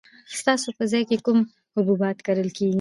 ستاسو په ځای کې کوم حبوبات کرل کیږي؟